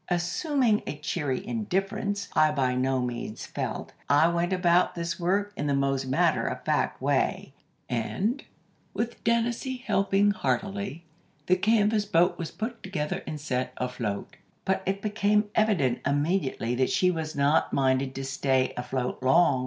"Assuming a cheery indifference I by no means felt, I went about the work in the most matter of fact way, and, with Dennazee helping heartily, the canvas boat was put together and set afloat. "But it became evident immediately that she was not minded to stay afloat long.